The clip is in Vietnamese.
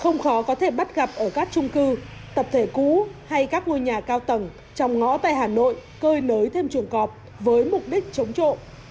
không khó có thể bắt gặp ở các trung cư tập thể cũ hay các ngôi nhà cao tầng trong ngõ tây hà nội cơi nới thêm chuồng cọp với mục đích chống trộm